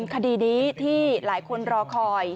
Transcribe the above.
คดีนี้ที่หลายคนรอคอย